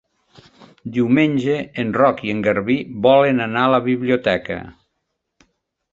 Diumenge en Roc i en Garbí volen anar a la biblioteca.